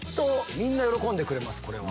みんな喜んでくれますこれは。